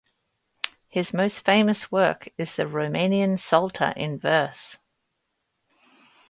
His most famous work is the Romanian psalter in verse.